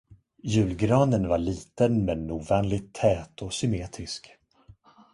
Julgranen var liten men ovanligt tät och symmetrisk.